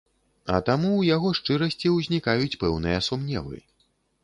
А таму ў яго шчырасці ўзнікаюць пэўныя сумневы.